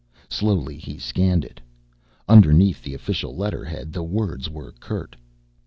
Slowly, he scanned it. Underneath the official letterhead, the words were curt.